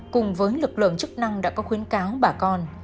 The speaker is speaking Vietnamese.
cùng với lực lượng chức năng đã có khuyến cáo bà con